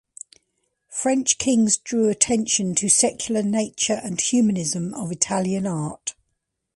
French kings drew attention to secular nature and humanism of Italian art.